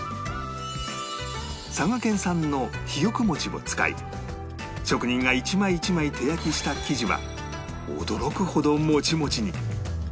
佐賀県産のヒヨクモチを使い職人が一枚一枚手焼きした生地は驚くほどモチモチに